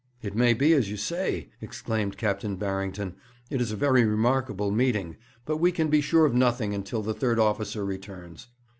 'It may be as you say,' exclaimed Captain Barrington. 'It is a very remarkable meeting. But we can be sure of nothing until the third officer returns.'